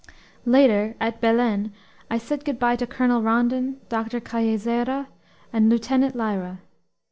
Later, at Belen, I said good by to Colonel Rondon, Doctor Cajazeira, and Lieutenant Lyra.